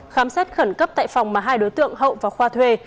khám xét khẩn cấp tại phòng mà hai đối tượng hậu và khoa thuê